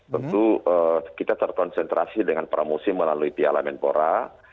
tentu kita terkonsentrasi dengan pramusim melalui piala menpora